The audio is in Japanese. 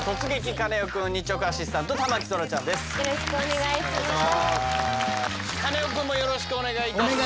カネオくんもよろしくお願いいたします。